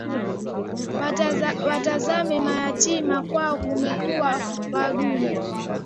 Watazame mayatima, kwao kumekua wa duni